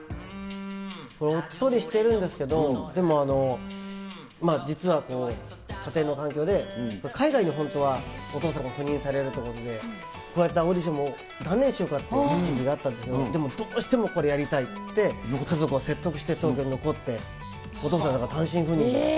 これ、おっとりしてるんですけど、でも、実は家庭の環境で海外に本当はお父さんが赴任されるということで、こうやってオーディションも断念しようかってときもあったんですけど、どうしてもこれ、やりたいって言って、家族を説得して東京に残って、お父さんがだから、単身赴任で。